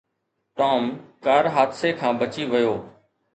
Tom car حادثي کان بچي ويو.